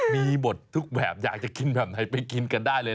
มีหมดทุกแบบอยากจะกินแบบไหนไปกินกันได้เลย